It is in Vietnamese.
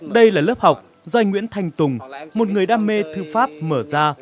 đây là lớp học do anh nguyễn thanh tùng một người đam mê thư pháp mở ra